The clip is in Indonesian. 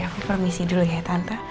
aku permisi dulu ya tante